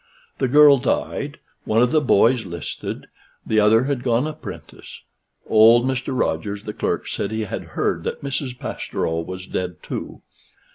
The girl died; one of the boys 'listed; the other had gone apprentice. Old Mr. Rogers, the clerk, said he had heard that Mrs. Pastoureau was dead too.